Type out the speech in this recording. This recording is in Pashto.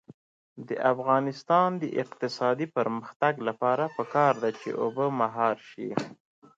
د افغانستان د اقتصادي پرمختګ لپاره پکار ده چې اوبه مهار شي.